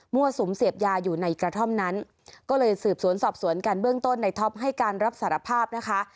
สุมเสพยาอยู่ในกระท่อมนั้นก็เลยสืบสวนสอบสวนกันเบื้องต้นในท็อปให้การรับสารภาพนะคะ